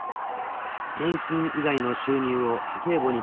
［年金以外の収入を家計簿に書くなんて